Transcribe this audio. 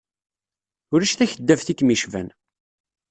Ulac takeddabt i kem-icban.